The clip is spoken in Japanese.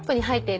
はい。